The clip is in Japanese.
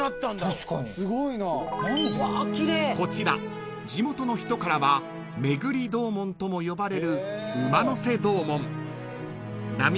［こちら地元の人からはめぐり洞門とも呼ばれる］